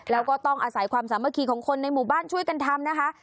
แล้วก็ต้องอาศัยความสามัคคีของคนในหมู่บ้านช่วยกันทำนะคะ